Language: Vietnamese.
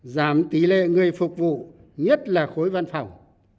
giảm tỷ lệ người phục vụ nhất là khối văn phòng